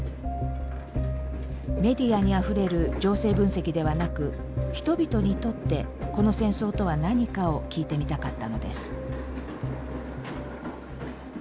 メディアにあふれる情勢分析ではなく人々にとってこの戦争とは何かを聞いてみたかったのです。